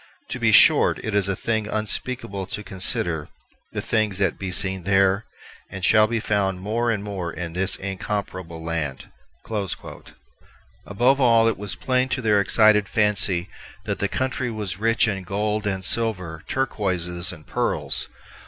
To bee short, it is a thing vnspeakable to consider the thinges that bee seene there, and shalbe founde more and more in this incomperable lande." Above all, it was plain to their excited fancy that the country was rich in gold and silver, turquoises and pearls.